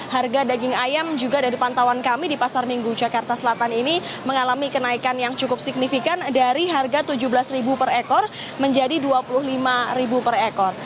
harga daging ayam juga dari pantauan kami di pasar minggu jakarta selatan ini mengalami kenaikan yang cukup signifikan dari harga rp tujuh belas per ekor menjadi rp dua puluh lima per ekor